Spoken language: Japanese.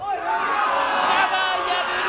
双葉敗る！